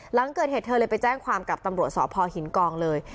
หลังเกิดเหตุเธอเลยไปแจ้งความกับตำรวจสพหินกองเลย